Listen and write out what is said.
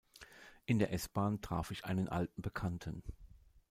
In der S-Bahn traf ich einen alten Bekannten.